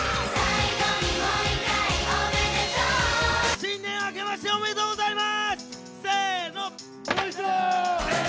新年明けましておめでとうございます！